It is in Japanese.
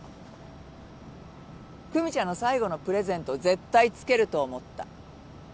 久実ちゃんの最後のプレゼント絶対つけると思った。